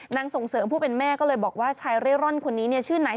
ส่งเสริมผู้เป็นแม่ก็เลยบอกว่าชายเร่ร่อนคนนี้เนี่ยชื่อไหน